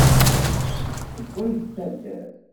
Nekk seg wayt taddart.